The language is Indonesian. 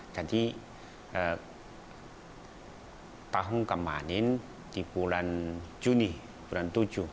jadi tahun kemarin di bulan juni bulan tujuh